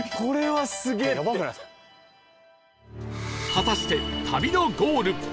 果たして旅のゴール